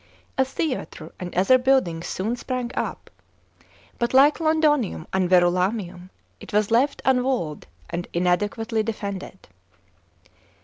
A theatre and o'hcr buildings soon sprang up, but, like Loud nium and Verulamium, it was lett unwalled and inadequately de'ended.